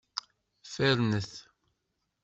Fernet.